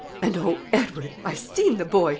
And, oh, Edward, I've seen the boy!